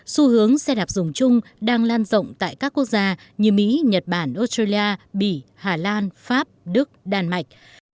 xu hướng xe đạp dùng chung đang lan rộng tại các quốc gia như mỹ nhật bản australia bỉ hà lan pháp đức đan mạch